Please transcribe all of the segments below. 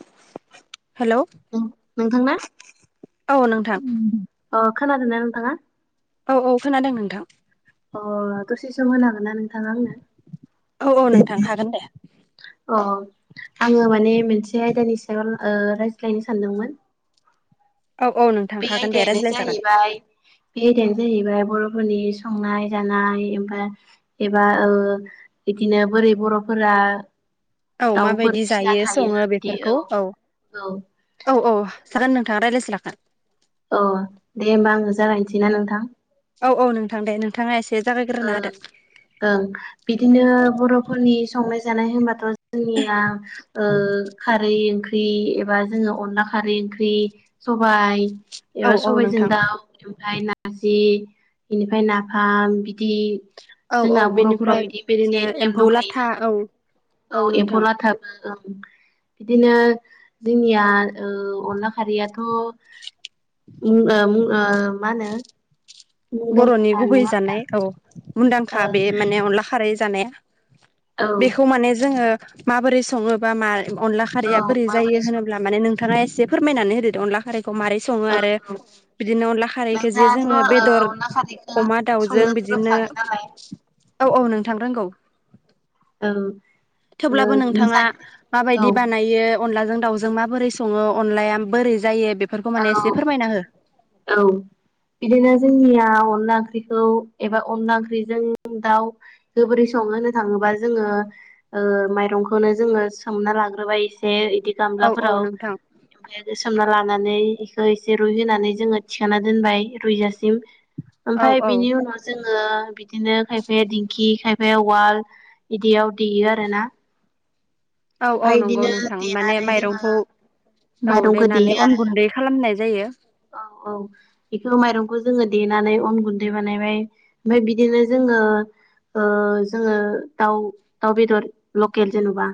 Hello नोंथांना? औ नोंथां। खोनादों ना नोंथाङा? औ औ खोनादों नोंथां। अ दसे सम होनो हागोनना नों थाङा आंनो औ औ नोंथां हागोन दे अ आङो माने मोनसे आयदानि सायाव ओ रायज्लायनो सानदोंमोन औ औ नोंथां बे हागोन दे आयदायानो रायज्लायजागोन जाहैबाय बे आइदायानो‌ जाहैबाय बर'फोरनि संनाय जानाय एमफा एबा ओ बिदिनो बोरै बर'फोरा औ मा दाउफोर बायदि फिसिना जायो थायो सङो बिदि बेफोरखौ औ औ औ औ जागोन नोंथाङा रायलायस्लाबगोन अ दे होमबा आंनो जागायनोसैना नोंथां औ औ नोंथां दे नोंथाङा एसे ओ जागायग्रोना होदो ओं बिदिनो बर'फोरनि संनाय जानाय होनबाथ' जोंनिया ओ खारै ओंख्रि एबा जोङो अनला खारि ओंख्रि सबाय औ एबा औ सबायजों नोंथां दाउ ओमफाय ना नारजि बेनिफाय नाफाम बिदि औ औ जोंना बर'फोराव बेनिफ्राय बिदि बिदिनो मोनसे नियम एम्फौ लाथा दंखायोना औ औ एम्फला थाबो औ बिदिनो जोंनिया ओ अनला खारैयाथ' उम ओ उम ओ मा होनो बर'नि मुंदांखाखा गुबै नङा होमबा जानाय औ मुंदांखा ओ बे माने अनला खारै जानाया औ बेखौ माने जोङो माबोरै सङोबा मा अनला औ खारैया बोरै जायो माबोरै सङो होनोब्ला माने नोंथाङा ए से फोरमायनानै होदोदे अनला खारैखौ मारै सङो औ आरो औ बिदिनो अनला खारैखौ जे नोंथाङाथ' जोङो ओ बेदर अनला खारैखौ अमा दाउजों संनोथ' बिदिनो रोंखागोन नालाय औ औ नोंथां रोंगौ ओं थेवब्लाबो नोंथाङा माबायदि बानायो अनलाजों दावजों माबोरै सङो अनलाया बोरै जायो बेफोरखौ माने एसे फोरमायना हो [inaudible] बिदिनो जोंनिया अनला ओंख्रिखौ एबा अनला ओंख्रिजों दाउ जोबोरै सं मा होननो थाङोबा जोङो ओ माइरंखौनो जोङो सोमना लाग्रोबाय एसे दि औ औ गामलाफोराव नोंथां ओमफायो सोमना लानानै इखौ एसे रुइहोनानै जोङो थिखांना दोनबाय रुइजासिम औ ओमफाय औ बिनि उनाव जोङो बि दिनो खायफाया दिंखि खायफाया उवाल बिदियाव देयो आरोना औ औ ओमफाय नंगौ इदिनो नोंथां माने देनानै जोङो माइरंखौ औ माइरंखौ देयो देनानै अन आरो गुन्दै खालामनाय जायो औ औ बिखौ माइरंखौ जोङो देनानै अन गुन्दै बानायबाय ओमफाय बिदिनो जोङो ओ जोङो दाउ दाउ बेदर लकेल जेन'बा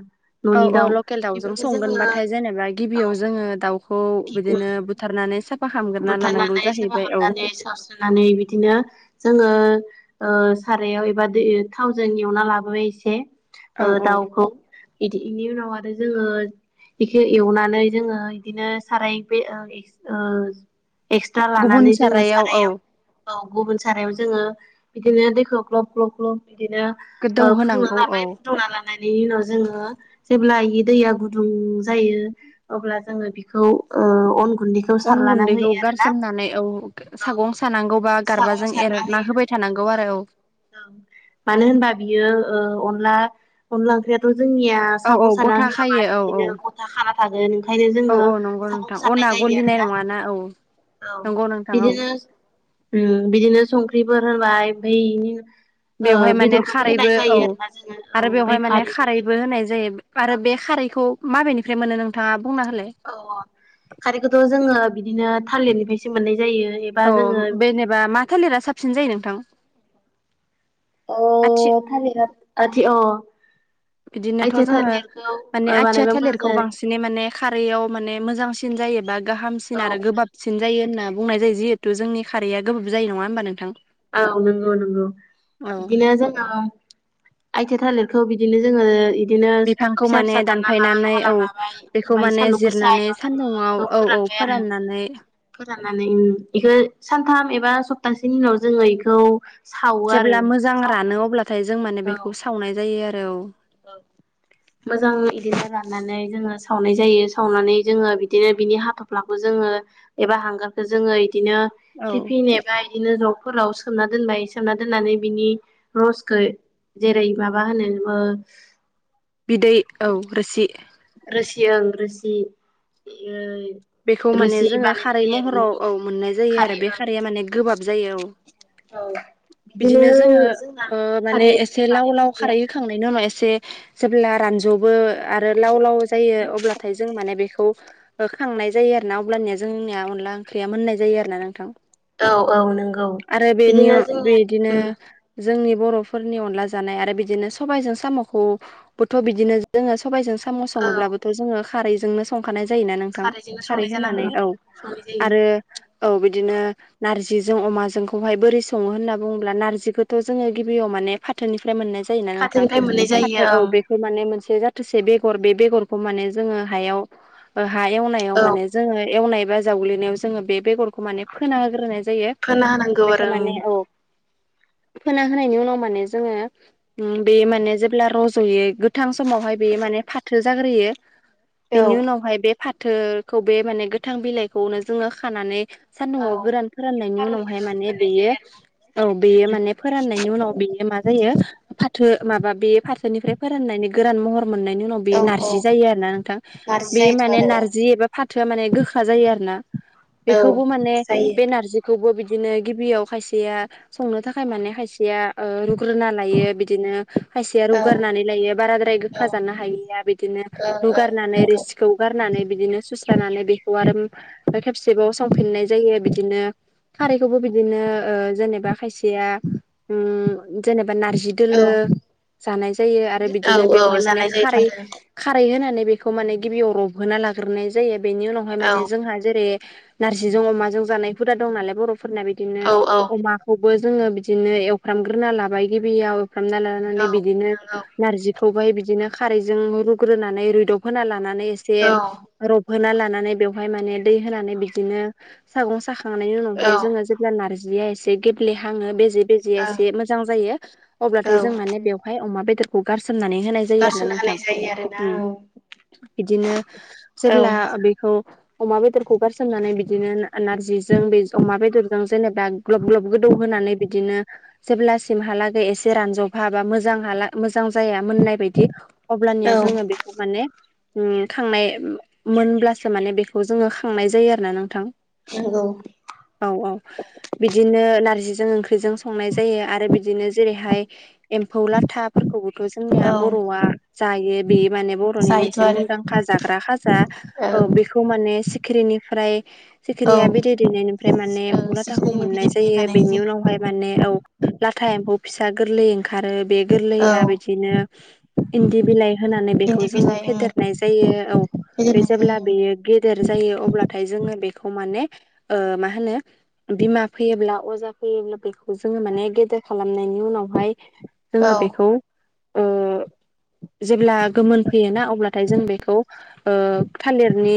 औ न'नि औ दाउ लकेल दाउजों बेफोरखौ जोङो संगोनबाथाय औ जेनेबा गिबियाव जोङो दाउखौ गिबि बिदिनो बुथारनानै सा बुथारनानै साफा खामनानै सावस्रोनानै बिदिनो जोङो ओ ओ सारायाव एबा दैयो थावजों एवना लाबोबाय एसे । औ ओ औ दाउखौ बिदि इनि उनाव आरो जोंङो बिखो एवनानै जोंङो इदिनो साराय बे ओ इ ओ एक्सट्रा गुबुन लानानै जोंङो औ सारायाव औ गुबुन सारायाव जोंङो बिदिनो दैखौ ग्लब ग्लब फ्ल बिदिनो गोदौ ओ फुदुंना होनांगौ औ लाबाय फुदुंना लानायनि उनाव जोंङो जेब्ला इ दैया गुदुं जायो अब्ला जोङो बिखौ ओ अन गुन्दैखौ अन सारलाना है गुन्दैखौ गारसोमनानै औ सागं सानांगौबा सागं गारबाजों सारना एरना होयो होबाय थानांगौ आरो औ मानो होनबा बियो ओ अनला अनला ओंख्रैयाथ' जोंनिया औ साग' औ साग्रा गथा होआबा खायो औ औ बिदिनो गथा खा ओंखायनो औ जोंङो औ नंगौ सफुं नोंथां सारनाय अना जायो आरो गलिनाय ना नङाना औ औ नंगौ नोंथां औ बिदिनो ओ- बिदिनो संख्रिफोर होनाय ओमफ्राय ओ बेवहाय माने बेदरखौबो होनाय खारैबो जायो औ आरोना जोङो औ आरो बेवहाय ओमफ्राय माने खारैबो होबाय होनाय जायो आरो बे खारैखौ माबेनिफ्राय मोनो नोंथाङा बुंना होलाय अ खारैखौथ' जोंङो बिदिनो थालिरनिफ्रायसो मोननाय जायो एबा औ जोङो बेेनेबा मा थालिरा साबसिन जायो नोंथां? अ आथि थालिर आथि अ बिदिनोथ' आइथिया जोंङो थालिरखौ माने ओ आथिया बानायबा मोजां थालिरखौ जायो बांसिनै माने खारैआव माने मोजांसिन जायोबा गाहामसिन औ आरो गोबाबसिन जायो होनना बुंनाय जायो। जिहेथु जोंनि खारैआ गोबाव जायो नङा होनोमबा नोंथां औ नंगौ नंगौ औ बिदिनो जोंङो आइथिया थालिरखौ बिदिनो जोंङो बिदिनो बिफांखौ फिसा माने फिसा दानना लाबाय दानफायनानै हाना औ लाबाय बेखौ ओमफफ्राय सान्दुं गोसायाव जोंङो बेखौ फोरानबाय फोरनानानै नानै बेखौ सानथाम एबा सप्तासेनि उनाव जोंङो इखौ सावो आरो जेब्ला मोजां रानो सावनानै अब्लाथाय जों माने बेखौ सावनाय जायो आरो औ औ मोजां इदिनो राननानै जोंङो सावनाय जायो सावनानै जोंङो बिदिनो बिनि हाथ'फ्लाखौ जोंङो एबा हांगारखौ जोंङो बिदिनो औ थिफिन एबा बिदिनो ज फोराव सोमना दोनबाय सोमना दोननानै बिनि रसखौ जेरै माबा होनोबो ओ बिदै औ रोसि रोसि ओंसि बेखौ माने जोंङो खारै महराव औ मोननाय जायो खारै आरो बे ओं खारैआ माने गोबाब जायो औ बिदिनो जोंङो जोंना ओ- माने खारैया एसे इदिनो लाव बानायनाय लाव जायो खारै होखांनायनि उनाव ए एसे जेब्ला रानज'बो आरो लाव लाव जायो अब्लाथाय जों माने बेखौ खौ हो खांनाय जायो आरो ना अब्लानिया जोंनिया अनला ओंख्रिया मोननाय जायो आरो ना नोंथां आरो औ औ नंगौ आरो बेनि बिदिनो अ बेनि जोंनिया बिदिनो उम जोंनि बर'फोरनि अनला जानाय आरो बिदिनो सबायजों साम'खौबोथ' बिदिनो जोंङो सबाइजों साम' औ सङोब्लाबोथ' जोंङो खारैजोंनो संखानाय जायो ना नों खारैजोंनो खारै संनाय होनानै जानांगौ औ संनाय जायो आरो औ बिदिनो नारजि जि जों अमाजोंखौहाय बोरै सङो होनना बुङोब्ला नारजखौथ' जोंङो गिबियाव माने फाथोनि मोननाय जायोना नोंथां खाथिनिफ्राय मोननाय जायो फाथो औ बे माने मोन- जाथोसे बेर बे बेगरखौ माने जोंङो हायाव ओ- हायाव आव माने ओं जोंङो एवनाय बा जावग्लिनायाव जोंङो बे बेगरखौ माने फोना होग्रोनाय जायो खोना होनांगौ आरो बेखौ औ- माने [inaudible] फोना होनायनि उनाव माने जोंङो उ- बे माने जेब्ला रज'योै गोथां समावहाय बेयो माने फाथो जाग्रोयो औ बेनि उनावहाय बे फाथोखौ बे माने गोथां बिलाइखौनो जोङो खानानै सान्दुंआव गोरान औ फोराननायनि उनावहाय माने बेयो खारनखौ फोराननाय औ बेयो जायो माने फोराननायनि उनाव बेयो मा जायो फाथो माबा बे फाथोनिफ्राय फोराननायनि गोरान महर मोननायनि आरोना उनाव औ बेयो औ नारजि जायो आरोोना नोंथां नारजि बेयो जायोथ' माने आरो औ नारजि एबा फाथोआ माने गोखा जायो आरो ना औ जायो औ ओं बेखौबो माने बे नारजि खौबो बिदिनो गिबियाव खायसेया संनो थाखाय माने खायसेया रुग्रोना लायो बिदिनो खायसेया ओं रुगारनानै लायो नंगौ बाराद्राय गोखा्रा जानो हायिया बिदिनो रुगारनानै रिसिखौ गार गारनानै बिदिनो स बे आरो खेबसेबाव संफिननाय जायो बिदिनो खारैखौबो बिदिनो ओ- जेनेबा खायसेया उ जेनेबा नारजि दोलो औ जानाय जायो आरो बिदिनो औ बेवहाय माने जानाय जायोथ' खारै आरो खारै होनानै बेखौ माने गिबियाव रबहोना लाग्रोनाय जायो बेनि उनावहाय औ माने जोंहा जेरै नारजिजों अमाजों जानाय हुदा दं नालाय बरफोरना बिदिनो औ औ अमाखौ जो बिदिनो एवफ्रामग्रोना लाबाय गिबियाव एवफ्रामना लानानै बिदिनो नंगौ नारजि खौबहाय बिदिनो खारैजों रुग्रोनानै रुयदब होना लानानै एसे औ रबहोना लानानै बेवहाय माने दै होनानै बिदिनो सागं साखां खांनायनि उनावहाय ओं जोंङो जेब्ला नारजिया एसे गेब्ले हाङो बेजे बेजेया एसे मोजां जायो औ अब्लाथाय जों माने बेवहाय अमा बेदरखौ गारसोम मनानै होनाय जायो आरोना गारसोनो नोंथां हानाय जायो आरोना औ बिदिनो औ जेब्ला बेखौ अमा बेदरखौ गारसोमनानै बिदिनो नारजिजों बे अमा बेदरजों जेनेबा ग्लाब ग्लब गोदौ होनोनानै बिदिनो जेब्लासिमहालागै एसे रानजब हाबा मोजां हाला मोजां जाया मोननाय बायदि अब्लानिया औ जोंङो बेखौ माने खांनाय मोनब्लासो माने बेखौ जोंङो खांनाय जायो आरोना नोंथां नंगौ औ औ बिदिनो नारजिजों ओंख्रिजों संनाय जायो आरो बिदिनो जेरैहाय एम्फौ लाथाफोरखौबोथ जोंनिया औ बरआ जायो बे माने बरनि जायोथ' मोनसे आरो मुंदांखा जाग्रा ख औ बेखौ माने सिखिरिनिफ्राय औ सिखिरिया बिदै दैनायनिफ्राय माने औ एम्फौ लाथाखौ सिखिरिनि मोननाय बिदैनिफ्राय जायो बानायनाय बेनि उनावहाय जायो माने औ लाथा एम्फौ फिसा गोरलै ओंखारो बे औ गोरलैया बिदिनो इन्दि बिलाइ होनानै इन्दि बेखौ जोंङो बिलाइ ओं फेदेरनाय जायो औ बे होदेरनाय जेब्ला जायो बेयो गेदेर जायो अब्लाथाय जोंङो माने मा होनो बिमा फैयोब्ला अजा फैयोब्ला बेखौ जोंङो माने गेदेर खालामनायनि उनावहाय जोंङो औ बेखौ जेब्ला गोमोन फैयोना अब्लाथाय जों बेखौ थालिरनि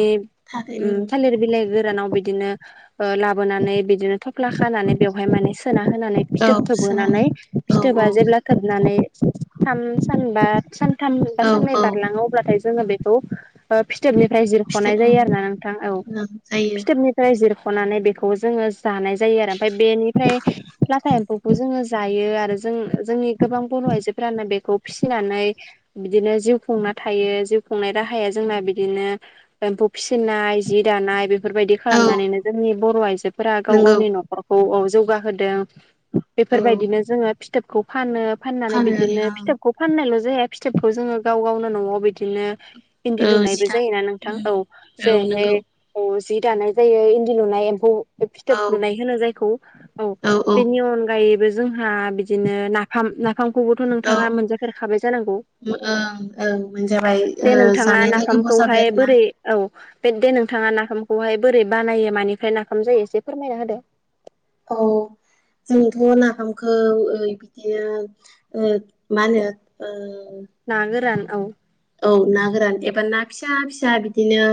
थारै थालिर बिलाइ गोरानाव बिदिनो लाबोनानै बिदिनो थफ्ला खानानै बेवहाय माने सोना होनानै औ फिथोब सोनानै थोबहोनानै औ फिथोब औ जेब्ला खोबनानै थाम सानबा सानथाम बा औ साननै औ बारलांङो अब्लाथाय जोंङो बेखौ फिथोबनिफ्राय फिथाइ जिरखनाय जायो आरो ना नोंथां औ ओं ओं जायो फिथोबनिफ्राय जिरखनानै बे जोंङो जानाय जायो आरो ओमफ्राय बेनिफ्राय लाथा एम्फौखौ जोंओ जायो आरो जोंनि गोबां बर आयजोफोरानो बेखौ फिसिनानै बिदिनो जिउ खुंना जिउ खुंनाय राहाया जोंना बिदिनो एम्फौ फिसिनाय जि दानाय बे बेफोरबायदि औ खालामनानैनो जोंनि बर आइजोफोरा गाव नंगौ गावनि नखरखौ जौगाहोदों औ बेफोरबायदिनो जोंङो फिथोबखौ फानो फाननानै फानो आरो बिदिनो आं फिथोबखौ फाननायल जेहाय फिथोबखौ जोंङो गाव गावनो नआव बिदिनो इन्दि औ जि लुनायबो दान जायोना नोंथां उम औ औ नंगौ जेरैहाय जि दानाय जायो इन्दि लुनाय फिथोब औ लुनाय होनो जायखौ औ बेनि अनगायैबो जोंहा बिदिनो नाफाम ना नाफामखौबोथ नोंथाङा मोनजाफेरखाबाय जानांगौ ओं ओं मोनजाबाय ओ दे नों जानायालाय नाफाम गोबाव जाबाय खौहाय आरोना बोरै दे नोंथाङा नाफामखौहाय बोरै बानायो मानिफ्राय नाफाम जायो एसे फोरमायना होदो औ जोंथ नाफामखौ बिदिनो मा होनो ना गोरान औ औ ना गोरान एबा ना फिसा फिसा बिदिनो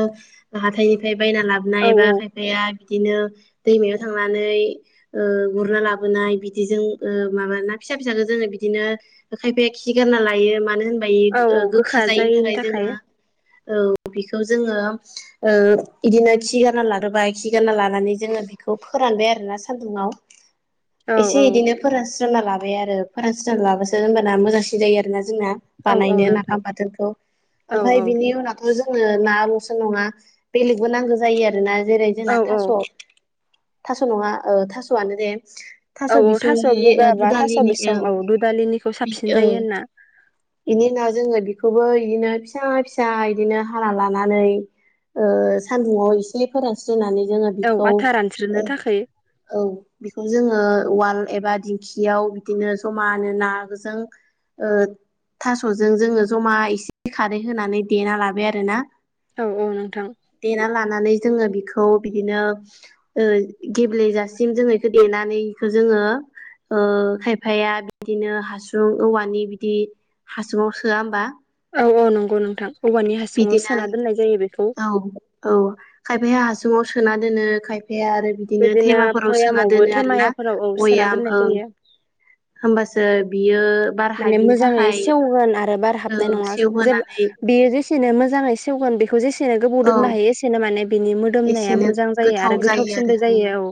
हाथायनिफ्राय बायना लाबनाय औ एबा खायफाया बिदिनो दैमायाव थांनानै गुरना लाबोनाय बिदिजों माबाना फिसा फिसाखो जोंङो बिदिनो खायफाया खि गारना लायो मानो होनबा औ औ खा गोखा जायैनि थाखाय जोंङो औ बेखौ जोंङो बिदिनो खि गारना ला [unintelligible] गोबाय बाय खि गानना लानानै जोंङो बेखौ बेखौ फोरानबाय आरोना सान्दुंङाव औ एसे इदिनो फोरानस्रना लाबाय आरो फोरानस्रना लाबोसो हबाना मोजांसिन जायो आरोना ज जोंना औ औ बानायनो नोंथां नाफाम फाथोनखौ औ ओमफफ्राय बिनि उनाव जोङनो ना आब'सो नंङा बेलेगबो नांगौ जायो आरोना जेरै औ जोंना औ थास' थास' नंङा थास'आनो दे थास' औ औ बिसरि बुगा बा थास' दुदलिनि बिसं औ दुदालिनिखौ बि साबसिन औ जायो होनना बेनि उनाव जोंङो बेखौबो बिदिनो फिसा फिसा इदिनो हाना लानानै सान्दुंङायाव एसे फोरानस्रिनानै औ बिखौ आथा रानज्रिनो थाखाय औ बिखौ जोंङो उवाल एबा दिंखियाव बिदिनो जमानो नाजों थास'जों जोंङो जमा एसे खारै होनानै देना लाबाय आरोना औ औ नोंथां देना लानानै जोङो बेखौ बिदिनो गेब्लेेजासिम जोंङो बेखौ देनानै बेखौ जोंङो खायफाया बिदिनो हासुं औवानि बिदि हासुुं सोआ औ - औ नंगौ नोंथां औवानि हासुङाव बिदिनो सोना दोननाय जायो बेखौ औ औ खायफाया हासुंङाव सोना दोनो खायफाया ओमफ्राय आरो बिदिनो थेमाफोराव सोना भयामावबो दोनो आरोना थेमायाफोराव औ सोना बयाम दोननाय जायो होमबासो बि माने मोजांङै सेवगोन आरो बार ओ हाबनाय नंङा जे सेवहोनानै बेयो जेसे नो मोजांङै सेवगोन बेखौ जेसेनो गोबाव औ दोननो हायो एसेनो माने बिनि मोदोमनाया एसेनो मोजां जायो गोथाव आरो आरो गोथावसिनबो ओं जायो औ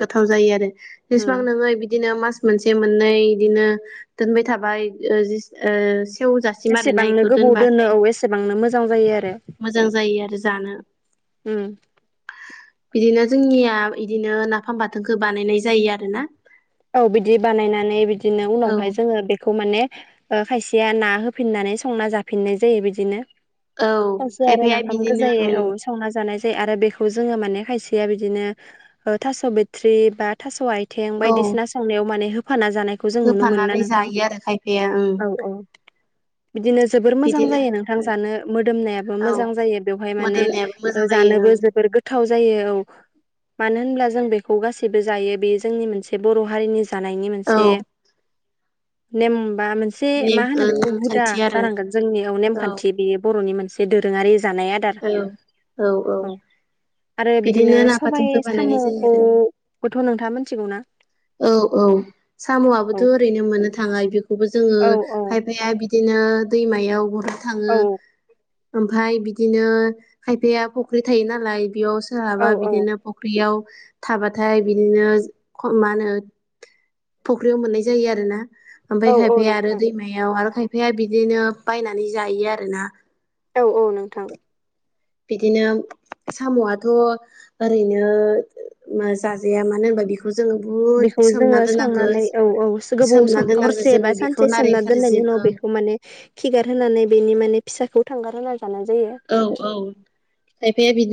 गोथाव जायो आरो जसेबां उम नोंङो बिदिनो मास मोनसे बिदिनो दोनबाय थाबाय सेवजासिम आरो जेसेबांनो नाखौ गोबाव दोनो दोनबाथाय औ एसेबांनो मोजां जायो आरो मोजां जायो आरो जानो उम बिदिनो जोंनिया बिदिनो नाफाम बाथोनखौ बानायनाय जायो आरोना औ बिदि बानायनानै बिदिनो औ उनावहाय जोंङो बेखौ माने खायसेया ना होफिननानै संना जाफिननाय जायो बिदिनो औ सासे आरो खायफाया नाफाम बिदिनो गोजायो औ ओं संना जानाय आरो बेखौ जोंङो माने खायसेया बिदिनो थास' बिथट्रि बा थास' आइ थें औ बायदिसिना होफाना जानायखौ जों नुनो मोना होफानानै नोंथां जायो आरो खायफाया ओं औ औ बिदिनो जोबोर मोजां बिदिनो जायो नोंथां उम जानो मोदोमनायाबो औ मोजां जायो बेवहाय माने मोदोमनायाबो मोजां जा जायो नोबो ओं जोबोर गोथाव जायो औ मानो होनब्ला जों बेखौ गासैबो जायो बे जोंनि मोनसे बर' हारिनि जानायनि औ मोनसे नेम बा मोनसे नेम मा ओ होनो बेखौ हुदा नेमखान्थि आरो जानांगोन जोंनियाव औ नेमखान्थि बेयो बर'नि मोनसे दोरोंङारि जानाय आदार औ औ आरो बिदिनो ना सबाय बाथोनखौ बानायनाय जायो आरो साम'खौबोथ' नोंथांङा मिथिगौना औ औ साम'आबोथ' ओरैनो मोननो थांङा बेखौबो जोंङो औ औ खायफाया बिदि बिदिनो दैमायाव गुरनो थांङो औ ओमफफ्राय बिदिनो खायफाया फुख्रि थायो नालाय बेयाव औ सोरहाबा बिदिनो फुख्रियाव थाबाथाय बिदिनो मा होनो फख्रियाव मोननाय जायो आरो ना । ओमफ्राय औ औ खायफाया आरो नोंथां दैमायाव आरो खायफाया बिदिनो बायनानै जायो आरोना । औ औ नोंथां । बिदिनो साम'आथ' ओरैनो जाजाया मानो होनबा बेखौ जोङो बुहुद बेखौ सोमना जोंङो संनानै दोननांगौ औ औ गोबाव सोमना सम दोननांगौ हरसे जोङो बा बेखौ सानसे नारें सोमना खारजि दोननायनि उनाव ओं बेखौ माने खिगार होनानै बेनि माने फिसाखौ थांगार होनाय औ औ खायफाया बेदि ।